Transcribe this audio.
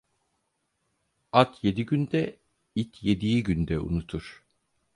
At yedi günde, it yediği günde unutur.